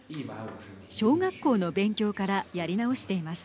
小学校の勉強からやり直しています。